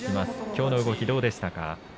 きょうの動き、どうでしたか？